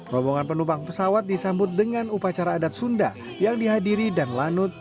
rombongan penumpang pesawat disambut dengan upacara adat sunda yang dihadiri dan lanut